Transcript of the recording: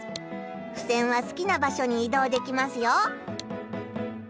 ふせんはすきな場所にいどうできますよ。